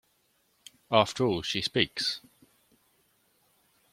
After all she speaks!